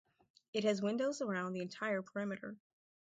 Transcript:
It has windows around the entire perimeter.